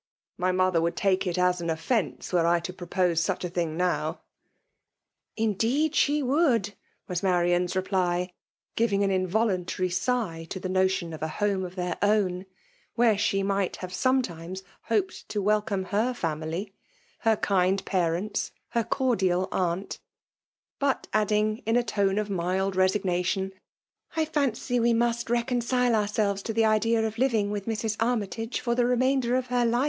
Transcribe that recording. My mo ther would take it as an offence, were I to propose such a thing now !^ Indeed she would T* was Marian*s reply, giving an involuntary sigh to the notion of a *'home of their own/' where she might have sometimes hoped to welcome her famUy, — her kind parents, her cordial aunt ; but adding, in a tone of mild resignation, " I fanqr we musl reconcile ourselves to the idea of living with Mrs. Armytage for the remainder of her life."